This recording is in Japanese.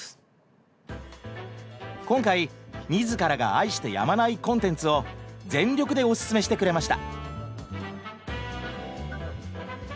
今回自らが愛してやまないコンテンツを全力でおススメしてくれました。